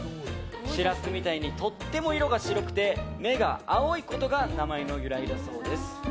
シラスみたいにとっても色が白くて目が青いことが名前の由来だそうです。